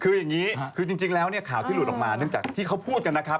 คืออย่างนี้คือจริงแล้วเนี่ยข่าวที่หลุดออกมาเนื่องจากที่เขาพูดกันนะครับ